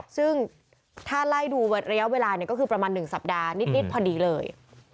ซึ่งถ้าไล่ดูระยะเวลาก็คือประมาณ๑สัปดาห์นิดพอดีเลย